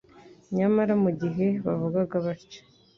Nyamara mu gihe bavugaga batyo,